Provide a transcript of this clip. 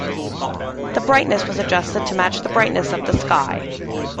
The brightness was adjusted to match the brightness of the sky.